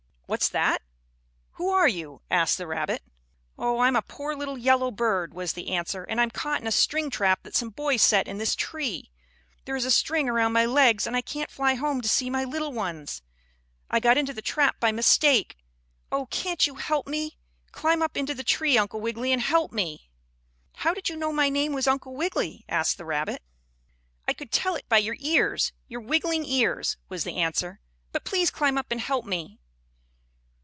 "What's that? Who are you?" asked the rabbit. "Oh, I'm a poor little yellow bird," was the answer, "and I'm caught in a string trap that some boys set in this tree. There is a string around my legs and I can't fly home to see my little ones. I got into the trap by mistake. Oh! can't you help me? Climb up into the tree, Uncle Wiggily, and help me!" "How did you know my name was Uncle Wiggily?" asked the rabbit. "I could tell it by your ears your wiggling ears," was the answer. "But please climb up and help me."